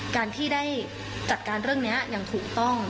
การที่ได้จัดการเรื่องนี้อย่างถูกต้อง